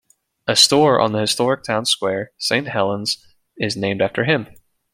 A store on the historic town square, Saint Helen's, is named after him.